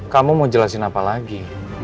kamu mau jelasin apa lagi